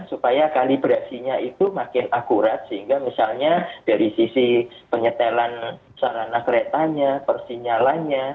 supaya kalibrasinya itu makin akurat sehingga misalnya dari sisi penyetelan sarana keretanya persinyalannya